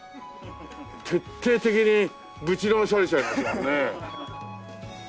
徹底的にぶちのめされちゃいますもんね。